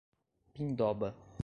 Pindoba